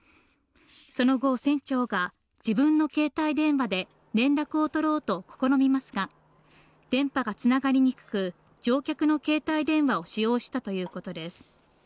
その後船長が自分の携帯電話で連絡を取ろうと試みますか電波がつながりにくく乗客の携帯電話を使用したということです